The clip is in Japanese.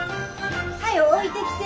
早う置いてきて。